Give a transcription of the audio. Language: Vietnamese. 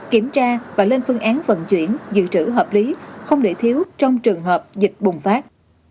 kiểm tra và lên phương án vận chuyển dự trữ hợp lý không để thiếu trong trường hợp dịch bùng phát